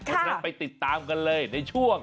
เพราะฉะนั้นไปติดตามกันเลยในช่วง